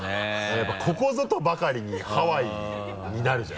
やっぱここぞとばかりにハワイになるじゃん。